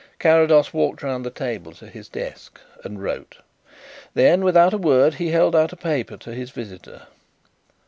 Carrados walked round the table to his desk and wrote. Then, without a word, he held out a paper to his visitor.